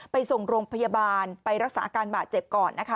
ไปส่งโรงพยาบาลไปรักษาอาการบาดเจ็บก่อนนะคะ